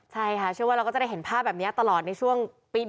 ใช่ค่ะเชื่อว่าเราก็จะได้เห็นภาพแบบนี้ตลอดในช่วงปี๒๕